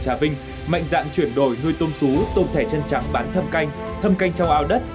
trà vinh mạnh dạng chuyển đổi nuôi tôm sú tôm thẻ chân trắng bán thâm canh thâm canh trong ao đất